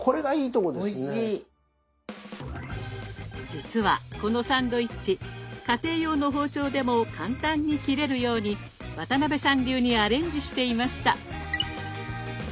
実はこのサンドイッチ家庭用の包丁でも簡単に切れるように渡辺さん流にアレンジしていました。